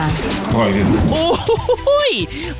อร่อยกิน